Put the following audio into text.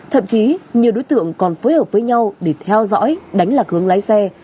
thậm chí nhiều đối tượng còn phối hợp với nhau để theo dõi đánh lạc hướng lái xe